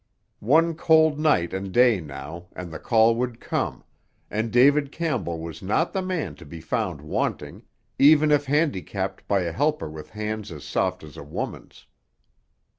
One cold night and day now, and the call would come, and David Campbell was not the man to be found wanting—even if handicapped by a helper with hands as soft as a woman's.